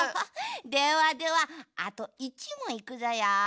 ではではあと１もんいくぞよ。